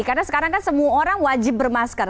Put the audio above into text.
karena sekarang kan semua orang wajib bermasker